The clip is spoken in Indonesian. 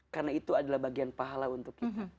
karena itu adalah bagian pahala untuk kita